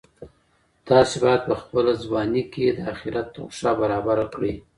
تاسي باید په خپله ځواني کي د اخیرت توښه برابره کړئ.